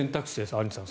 アンジュさん。